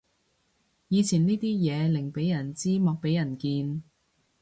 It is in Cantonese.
以前呢啲嘢寧俾人知莫俾人見